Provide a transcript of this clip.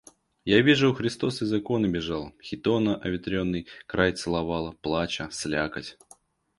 Я вижу, Христос из иконы бежал, хитона оветренный край целовала, плача, слякоть.